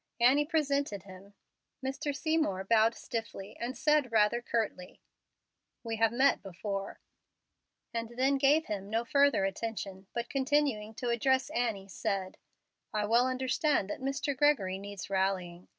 Annie presented him. Mr. Seymour bowed stiffly, and said, rather curtly, "We have met before," and then gave him no further attention, but continuing to address Annie, said, "I well understand that Mr. Gregory needs rallying.